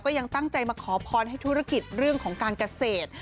ยังตั้งใจมาขอพรให้ธุรกิจเรื่องของการเกษตร